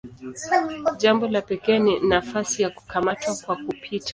Jambo la pekee ni nafasi ya "kukamata kwa kupita".